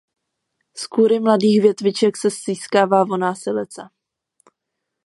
Z kůry mladých větviček se získává vonná silice.